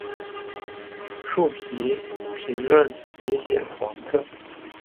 树皮平滑及呈黄色。